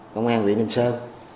công an ninh sơn